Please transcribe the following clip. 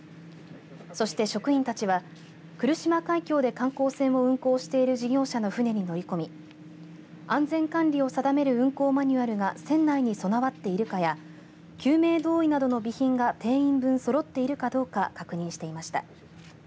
そして職員たちは、来島海峡で観光船を運航している事業者の船に乗り込み安全管理を定める運航マニュアルが船内に備わっているかや救命胴衣などの備品が定員分そろっているかどうか確認していました。